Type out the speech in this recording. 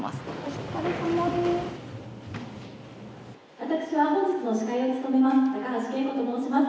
私は本日の司会を務めます高橋佳子と申します。